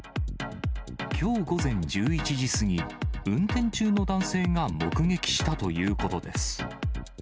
きょう午前１１時過ぎ、運転中の男性が目撃したということです。